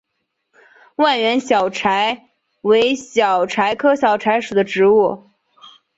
万源小檗为小檗科小檗属的植物。